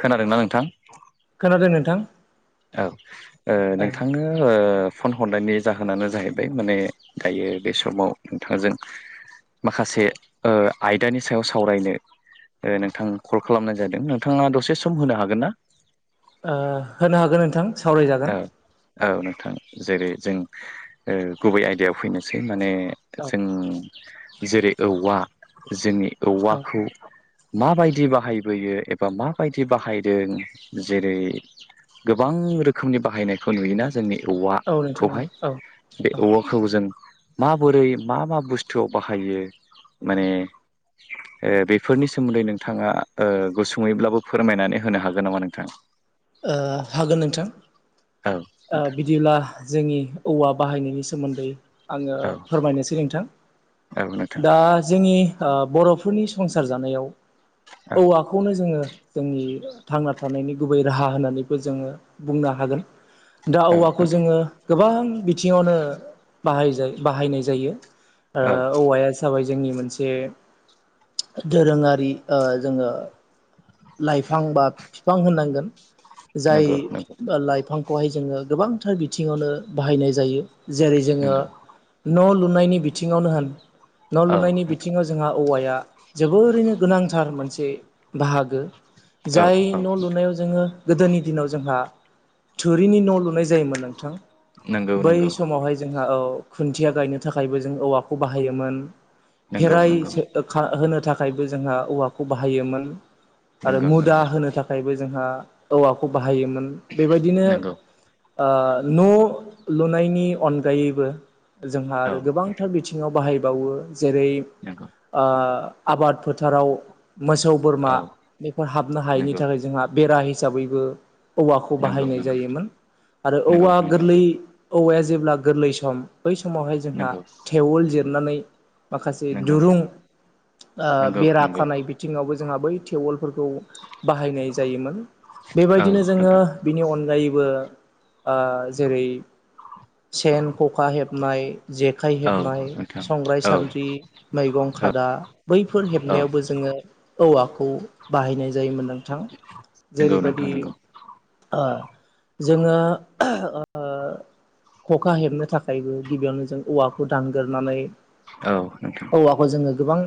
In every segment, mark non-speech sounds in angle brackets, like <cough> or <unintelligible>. खोनादोंना नोंथां? खोनादों नोंथां। औ ओ नोंथांनो ओ फन हरनायनि जाहोनानो जाहैबाय माने दायो बे समाव नोंथांजों माखासे आयदानि सायाव सावरायनो नोंथां कल खालामनाय जादों नोंथाङा दसे सम होनो हागोन ना? ओ होनो हागोन नोंथां औ सावरायजागोन। औ नोंथां जेरै जों ओ गुबै आयदायाव फैनोसै। माने औ जों जेरै औवा जोंनि औ औवाखौ माबायदि बाहायबोयो एबा माबायदि बाहायदों जेरै गोबां रोख खोमनि बाहायनायखौ नुयोना जोंनि औ नोंथां औवाखौहाय औ बे औ औवाखौ जों माबोरै मा मा बुस्थुआव बाहायो माने ओ बेफोरनि सोमोन्दै नोंथाङा ओ गुसुंङैब्लाबो फोरमायनानै होनो हागोन नामा नोंथां? ओ हागोन नोंथां औ ओ नोंथां बिदिब्ला जोंनि औवा। बाहायनायनि सोमोन्दै आङो औ फोरमायनोसै नोंथां औ नोंथां दा जोंनि। ओ बर'फोरनि संसार जानायाव औ औवाखौनो जोङो। जोंनि थांना थानायनि गुबै राहा होननानैबो जोङो। बुंनो हागोन दा औ औवाखौ नोंथां जोङो गोबां बिथिङावनो। बाहाजा बाहायनाय जायो ओ औ औवाया जाबाय। जोंनि मोनसे दोरोङारि ओ जोङो। लाइफां बा बिफां होननांगोन। जाय नंगौ नंगौ लाइफांखौहाय जोङो गोबांथार बिथिङावनो बाहायनाय जायो। जेरै जोङो नंगौ न' लुनायनि बिथिङावनो होन न' औ लुनायनि नोंथां बिथिङाव जोंहा। औवाया जोबोरैनो गोनांथार मोनसे बाहागो। औ जाय औ न' लुनायाव जोङो गोदोनि दिनाव जोंहा। थोरिनि न' लुनाय जायोमोन नोंथां नंगौ बै नंगौ समावहाय जोंहा औ। खुन्थिया गायनो थाखायबो जों औवाखौ बाहायोमोन नंगौ फेराय नंगौ होनो। थाखायबो जोंहा औवाखौ बाहायोमोन आरो नंगौ मुदा नंगौ होनो थाखायबो जोंहा। औवाखौ बाहायोमोन बेबायदिनो नंगौ ओ न'। लुनायनि अनगायैबो जोंहा औ आरो नोंथां गोबांथार बिथिङाव बाहायबावो। जेरै नंगौ ओ आबाद फोथाराव मोसौ बोरमा औ फोर हाबनो हायैनि नंगौ थाखाय जोंहा बेरा हिसाबैबो औवाखौ नंगौ बाहायनाय नंगौ जायोमोन आरो नंगौ औवा नंगौ गोरलै औवाया जेब्ला गोरलै सम बै समावहाय जोंहा नंगौ थेवोल जिरनानै माखासे नंगौ दुरुं नंगौ बेरा नंगौ खानाय बिथिङावबो जोंहा बै टेवोल खौ बाहायनाय जायोमोन औ बेबायदिनो जोङो नोंथां बिनि अनगायैबो ओ जेरै सेन खखा हेबनाय जेखाइ औ हेबनाय नोंथां संग्राय औ सान्द्रि मैगं औ खादा बैफोर औ हेबनायावबो जोङो औवाखौ बाहायनाय जायो। जायोमोन नोंथां नंगौ नोंथां जेरैबायदि नंगौ ओ जोङो ओ खखा हेबनो थाखायबो गिबियावनो जों औवाखौ दानग्रोननानै औ नोंथां औवाखौ जोङो गोबां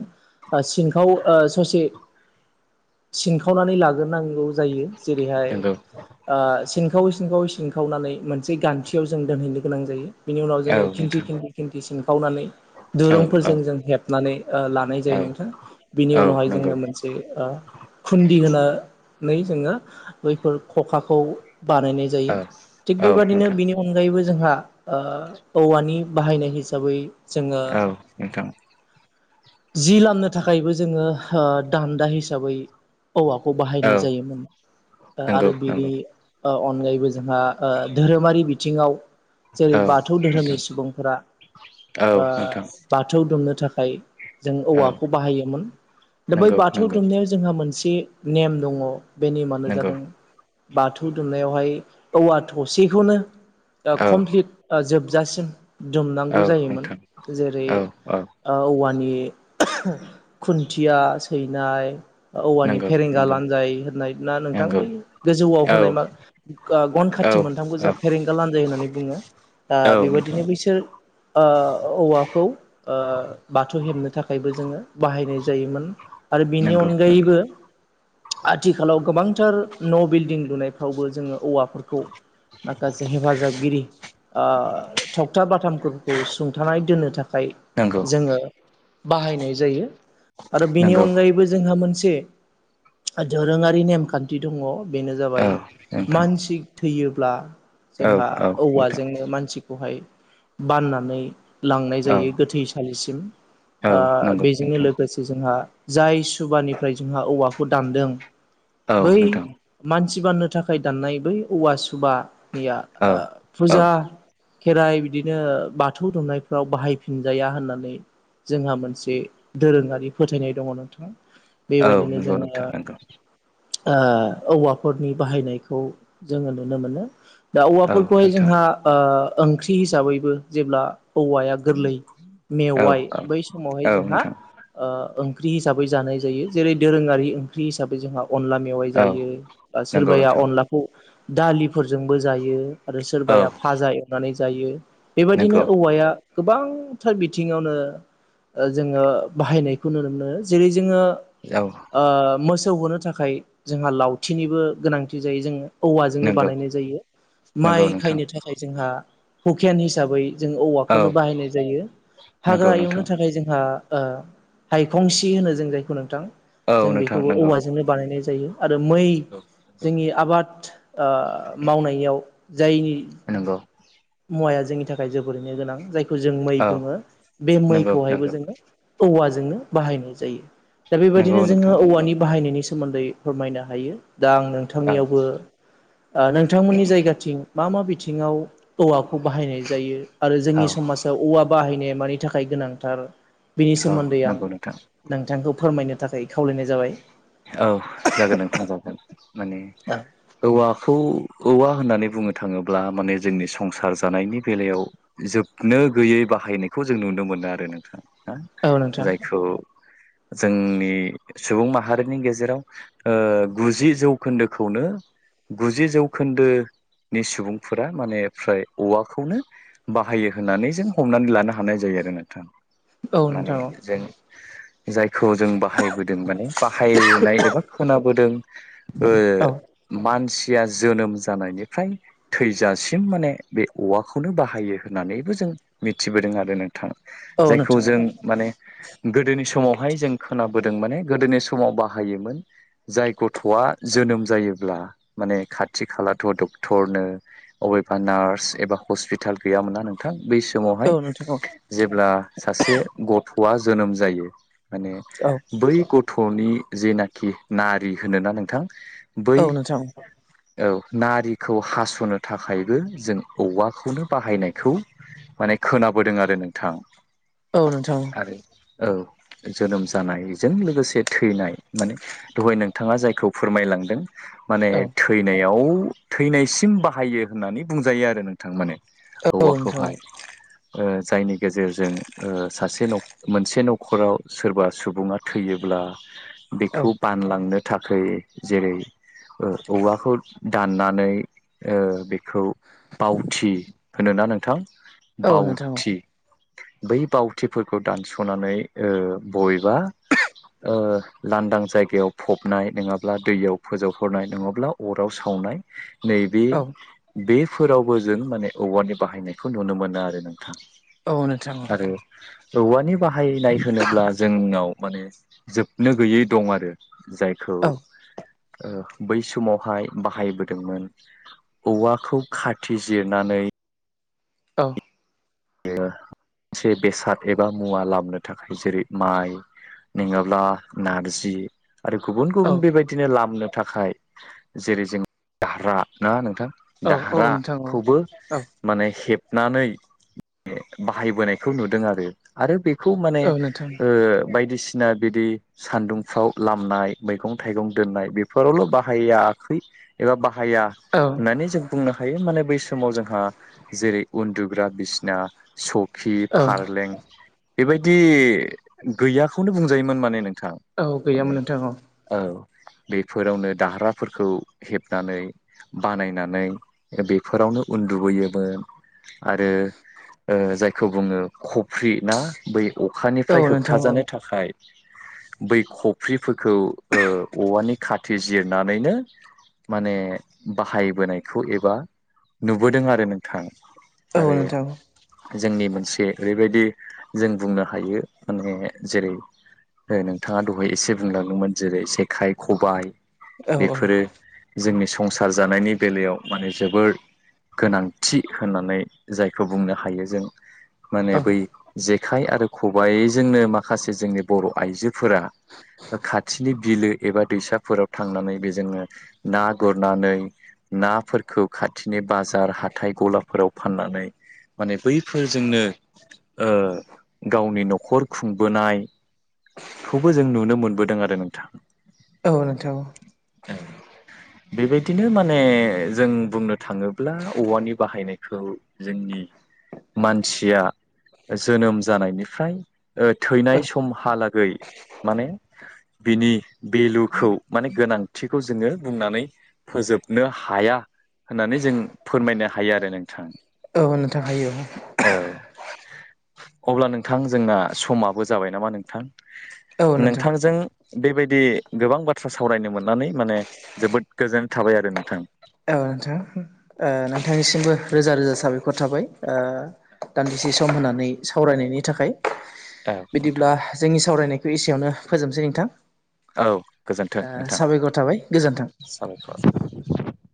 ओ सिंखाव ओ ससे सिनखावनानै लाग्रोनांगौ। जायो जेरैहाय नंगौ ओ सिंखायै सिंखायै सिं सिनखावनानै मोनसे गान्थियाव जों दोनहैनो गोनां जायो। बिनि उनाव औ जोङो खिन्थि नोंथां खिन्थि खिन्थि सिनखावनानै औ औ दिरुंफोरजों जों हेबनानै। ओ लानाय औ जायो नोंथां बिनि औ उनावहाय नंगौ जोङो मोनसे ओ खुन्दि होनो। नै जोङो बैफोर खखाखौ बानायनाय औ जायो थिग औ बेबादिनो नोंथां बिनि अनगायैबो जोंहा। ओ औवानि बाहायनाय हिसाबै जोङो औ नोंथां जि लामनो थाखायबो जोङो ओ दान्दा हिसाबै औवाखौ औ बाहायनाय जायोमोन नंगौ आरो बिनि नंगौ अनगायैबो जोंहा ओ धोरोमारि बिथिङाव जेरै औ बाथौ धोरोमनि नोंथां सुबुंफोरा औ ओ नोंथां बाथौ दुमनो थाखाय। जों औ औवाखौ बाहायोमोन दा बै नंगौ बाथौ नंगौ दुमनायाव जोंहा मोनसे नेम दङ। बे नेमानो नंगौ जादों बाथौ दुमनायावहाय औवा थसेखौनो औ कमप्लिट जोबजासिम औ दुमनांगौ जायोमोन नोंथां जेरै औ औ औवानि खुन थिया सैनाय औवानि नंगौ फेरेंगा नंगौ लानजाय होननाय ना नोंथां नंगौ बै गोजौआव औ होनाय मा गन औ खाथि थि मोनथामखौ जा फेरेंगा लानजाय होननानै बुङो। दा औ नोंथां बेबायदिनो बैसोर ओ औवाखौ बाथौ हेबनो थाखायबो जोङो बाहायनाय जायोमोन। आरो बिनि नंगौ नंगौ अनगायैबो आथिखालाव गोबां टार न' बिल्डिं लुनायफ्रावबो जोङो औवाफोरखौ माखासे हेफाजाबगिरि ओ थगथा बाथामफोरखौ सुंथानाय दोननो थाखाय नंगौ जोङो। बाहायनाय जायो आरो बिनि नंगौ अनगायैबो जोंहा मोन से दोरोङारि नेमखान्थि दङ बेनो औ जाबाय नोंथां मानसि। थैयोब्ला। औ जोंहा औ नोंथां। औवाजोंनो मानसिखौहाय बाननानै। लांनाय औ जायो गोथैसालिसिम औ नंगौ बेजोंनो नोंथां लोगोसे जोंहा जाय सुबानिफ्राय जोंहा औवाखौ दानदों औ बै नोंथां मान मानसि बान्नो थाखाय दाननाय बै औवा सुबानिया औ औ फुजा खेराइ बिदिनो बाथौ दुमनायफोराव बाहायफिनजाया होननानै जोंहा मोनसे दोरोङारि फोथायनाय दङ नोंथां। औ बेबायदिनो नंगौ जोङो। नोंथां नंगौ ओ औवाफोरनि बाहायनायखौ जोङो नुनो मोनो दा औ औवाफोरख बे नोंथां जोंहा ओंख्रि हिसाबैबो जेब्ला औवाया गोरलै औ मेवाइ औ बै समावहाय औ जोंहा नोंथां ओ ख्रि हिसाबै जानाय जायो जेरै दोरोङारि ओंख्रि हिसाबै जोंहा अनला मेवाइ औ जायो बा नंगौ सोरबाया नोंथां अनलाखौ दालिफोरजोंबो जायो। आरो औ सोरबाया फाजा एवनानै जायो बेबायदिनो नंगौ औवाया गोबांथार बिथिङावनो जोङो बाहायनायखौ नुनो मोनो जेरै जोङो औ मोसौ होनो थाखाय जोंहा लावथिनिबो गोनांथि जायो जोङो। औवाजोंनो नंगौ बानायनाय जायो माइ नंगौ नोंथां खायनो थाखाय जोंहा हुकेन हिसाबै जों औ औवाखौनो बाहायनाय जायो नंगौ हाग्रा एवनो नोंथां थाखाय जोंहा ओ हायखंसि होनो जों जायखौ नोंथां औ जों नोंथां बेखौबो नंगौ औवाजोंनो बानायनाय ज जायो आरो मै जोंनि आबाद ओ मावनायाव जायनि। नंगौ औवा जोंनि थाखाय जोबोरैनो गोनां जायखौ जों मै औ बुङो बे नंगौ मैखौहायबो नंगौ जोङो औव ज जोङो बाहायनाय जायो दा नंगौ बेबायदिनो जोङो नोंथां नंगौ औवानि बाहायनायनि सोमोन्दै फोरमायनो हायो। दा आं औ नोंथांनियावबो नोंथांमोननि जायगाथिं मा मा बिथिङाव औवाखौ बाहायनाय जायो आरो जोंनि औ समाजाव औवा बाहायनाया मानि थाखाय गोनांथार। बिनि औ सोमोन्दै आं नंगौ नोंथां नोंथांखौ फोरमायनो थाखाय खावलायनाय जाबाय औ जागोन नोंथां जागोन माने औ औवाखौ औवा होननानै बुंनो थाङोब्ला माने जोंनि संसार जानायनि बेलायाव जोबनो गैयै बाहायनायखौ जों नुनो मोनो आरो नोंथाङा हो औ नोंथां जायखौ जोंनि सुबुं माहारिनि गेजेराव ओ गुजि जौखोन्दोखौनो गुजि जौखोन्दो। नि सुबुंफोरा माने फ्राय औवाखौनो बाहायो होननानै जों हमनानै लानो हानाय जायो। औ मान नोंथां औ जों जायखौ जों। बाहायबोदों माने बाहायनाय एबा खोनाबोदों औ मान सिया जोनोम जानायनिफ्राय थैजासिम माने बे औवाखौनो बाहायो होननानैबो जों मिथिबोदों आरो नोंथां। औ जायखौ नोंथां जों औ माने गोदोनि समावहाय जों खोना बोदों माने गोदोनि समाव बाहायोमोन जाय गथ'आ जोनोम जायोब्ला माने खाथि खालाथ' डक्टरनो अबेबा नार्स एबा हस्पिटाल गैयामोना नोंथां। बै समावहाय औ नोंथां जेब्ला सासे गथ'आ जोनोम जायो। माने औ औ बै गथ'नि जेनाखि नारि होनोना नोंथां। बै औ नोंथां। औ नारिखौ हास'नो थाखायबो जों औवाखौनो बाहायनायखौ माने खोनाबोदों आरो नोंथां। औ नोंथां। आरो औ जोनोम जानाय जों लोगोसे थैनाय माने दहाय नोंथाङा जायखौ फोरमायलांदों माने औ थैनायाव थैनायसिम बाहायो होननानै बुंजायो आरो नोंथां माने औ औवा नोंथां खौहाय। ओ जायनि गेजेरजों ओ सासे मोनसे न'खराव सोरबा सुबुङा थैयोब्ला औ बेखौ बानलांनो थाखाय जेरै ओ औवाखौ दाननानै ओ बेखौ बावथि होनो ना नोंथां औ नोंथां बावथि बै बावथिफोरखौ दानस'नानै ओ बबेबा ओ लांदां जायगायाव फबनाय नङाब्ला दैयाव फोजोबहरनाय नङाब्ला अराव सावनाय नै बे औ बेफोरावबो जों माने औवानि बाहायनायखौ नुनो मोनो आरो नोंथां। औ नोंथां। आरो औवानि बाहायनाय होनोब्ला जोंनाव माने जोबनो गैयै दं आरो जायखौ ओ बै समावहाय बाहायबोदोंमोन, औवाखौ खाथि जिरनानै औ। ओ मोनसे बेसाद एबा मुवा लामोनो थाखाय जेरै माइ नङाब्ला नारजि आरो गुबुन औ गुबुन बेबायदिनो लामनो थाखाय जेरै जों दारहा ना नोंथां? औ औ नोंथां औ दाहाराखौबो औ माने हेबनानै बाहायबोनायखौ नुदों आरो आरो बेखौ माने औ नोंथां ओ बायदिसिना बिदि सानदुंफ्राव लामनाय मैगं थाइगं दोननाय बेफोरावल' बाहायाखै, एबा बा हाया औ होननानै जों बुंनो हायो माने बै समाव जोंहा जेरै उन्दुग्रा बिसि ना सखि औ फारलें बेबायदि गैयाखौनो बुंजायोमोन माने नों थां औ माने गैयामोन नोंथां औ। बेफोरावनो दारहाफोरखौ हेबनानै बानायनानै बेफोरावनो उन्दुबोयोमोन आरो ओ जायखौ बुङो खफ्रि ना बै औ अखानिफ्राय नोंथां औ होबथाजानो थाखाय बै खफ्रिफोरखौ ओ औवानि खाथि जिरनानैनो माने बाहायबोनायखौ एबा नुबोदों आरो नोंथां। औ आरो नोंथां। जोंनि मोनसे ओरैबायदि जों बुंनो हायो माने जेरै ओ नोंथाङा दहाय एसे बुंलांदोंमोन जेरै जेखाइ खबाइ औ बेफोरो जोंनि संसार जानायनि बेलायाव माने जोबोर गोनांथि होननानै जाय खौ बुंनो हायो जों माने बै जेखाय आरो खबायाइजोंनो माखासे जोंनि बर' आइजोफोरा खाथिनि बिलो एबा दैसाफोराव थांनानै बेजोंनो ना गुरनानै नाफोरखौ खाथिनि बाजार हाथाइ गलाफोराव फाननानै माने बैफोरजोंनो गावनि न'खर खुंबोनाय खौबो जों नुनो मोनबोदों आरो नोंथां। औ नोंथां औ। बेबायदिनो माने जों बुंनो थाङोब्ला औवानि बाहायनायखौ जोंनि मानसिया जोनोम जानायनिफ्राय ओ औ थैनाय समहालागै माने बिनि भेलुखौ माने गोनांथिखौ जोङो बुंनानै फोजोबनो हाया। होननानै जों फोरमायनो हायो आरो नोंथां । औ नोथां हायो औ <unintelligible> अब्ला नोंथां जोंना समाबो जाबाय नामा नोंथां औ । नोंथां नोंथांजों बेबायदि गोबां बाथ्रा सावरायनो मोननानै माने जोबोद गोजोननाय थाबाय आरो नोंथां । औ नोंथां ओ नोंथांनिसिमबो रोजा रोजा साबायखर थाबाय ओ दान्दि से सम होनानै सावरायनायनि थाखाय । औ नोंथां बिदिब्ला जोंनि सावरायनायखौ एसेयावनो फोजोबसै नोंथां । औ गोजोन्थों ओ नोंथां साबायखर थाबाय गोजोन्थों साबायखर ।